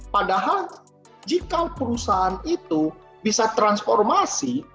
padahal jika perusahaan itu bisa transformasi